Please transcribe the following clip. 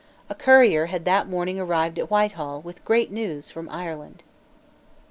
A courier had that morning arrived at Whitehall with great news from Ireland.